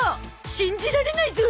信じられないゾ！